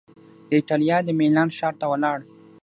د ایټالیا د میلان ښار ته ولاړ